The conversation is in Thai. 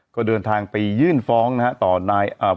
ก็เดินทางไปยื่นฟ้องนะครับ